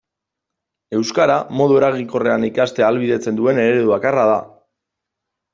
Euskara modu eraginkorrean ikastea ahalbidetzen duen eredu bakarra da.